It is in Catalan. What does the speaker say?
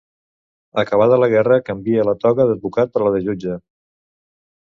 Acabada la Guerra canvia la toga d'advocat per la de jutge.